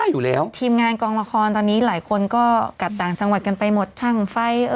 แบบคนก็เริ่มกระจายกับต่างจังหวัดกันหมดแล้วไง